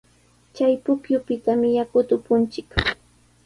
Chay pukyupitami yakuta upunchik.